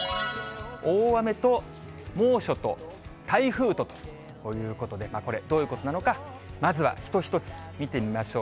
大雨と猛暑と台風とということで、これ、どういうことなのか、まずは一つ一つ見てみましょう。